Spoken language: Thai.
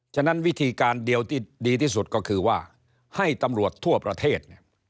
ฉะนั้นวิธีการเดียวที่ดีที่สุดก็คือว่าให้ตำรวจทั่วประเทศ